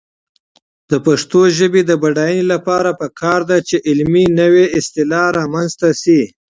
د پښتو ژبې د بډاینې لپاره پکار ده چې علمي نیولوجېزم رامنځته شي.